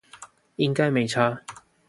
應該沒差